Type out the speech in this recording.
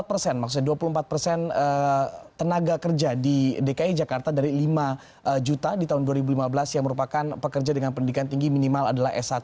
lima persen maksudnya dua puluh empat persen tenaga kerja di dki jakarta dari lima juta di tahun dua ribu lima belas yang merupakan pekerja dengan pendidikan tinggi minimal adalah s satu